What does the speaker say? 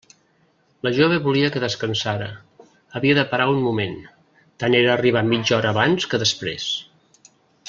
La jove volia que descansara, havia de parar un moment; tant era arribar mitja hora abans que després.